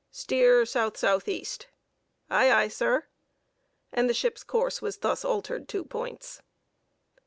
"Steer South South East." "Ay, ay, sir." And the ship's course was thus altered two points.